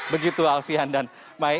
begitu alfian dan mai